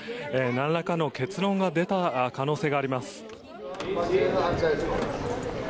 何らかの結論が出た可能性があります。